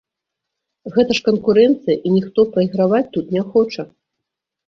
Гэта ж канкурэнцыя і ніхто прайграваць тут не хоча.